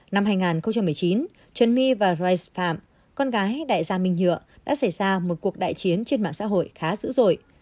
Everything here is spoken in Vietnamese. năm hai nghìn một mươi chín trần my và rise phạm con gái đại gia minh nhựa đã xảy ra một cuộc đại chiến trên mạng xã hội khá dữ dội